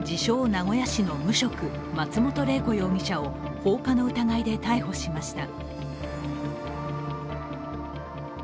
・名古屋市の無職、松本玲子容疑者を放火の疑いで逮捕しました。